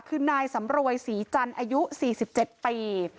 คือนายสำรวยศรีจันทร์อายุ๔๗ปี